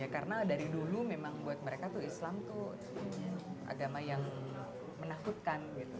karena dari dulu memang buat mereka tuh islam tuh agama yang menakutkan